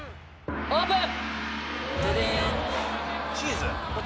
オープン！